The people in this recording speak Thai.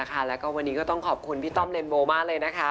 แล้วก็วันนี้ก็ต้องขอบคุณพี่ต้อมเลนโบมากเลยนะคะ